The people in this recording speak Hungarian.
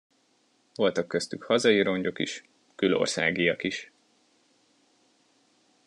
Voltak köztük hazai rongyok is, külországiak is.